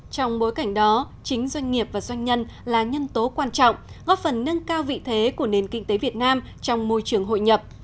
trong bối cảnh đó chính doanh nghiệp và doanh nhân là nhân tố quan trọng góp phần nâng cao vị thế của nền kinh tế việt nam trong môi trường hội nhập